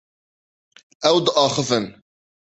Ew diaxivin.